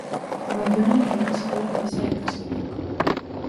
Baionan egin zituen eliza ikasketak.